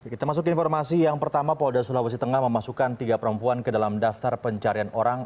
kita masuk ke informasi yang pertama polda sulawesi tengah memasukkan tiga perempuan ke dalam daftar pencarian orang